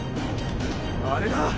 あれだ。